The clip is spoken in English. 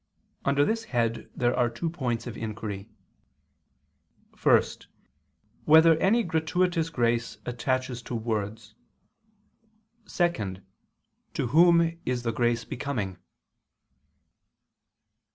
Under this head there are two points of inquiry: (1) Whether any gratuitous grace attaches to words? (2) To whom is the grace becoming?